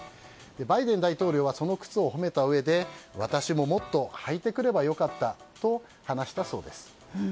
バイデン大統領はその靴を褒めたうえで私ももっと磨いてくればよかったと話したそうです。